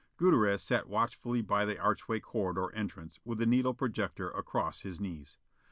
Gutierrez sat watchfully by the archway corridor entrance with a needle projector across his knees.